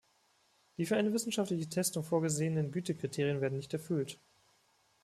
Die für eine wissenschaftliche Testung vorgesehenen Gütekriterien werden nicht erfüllt.